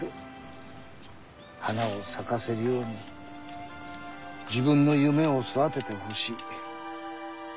花を咲かせるように自分の夢を育ててほしい。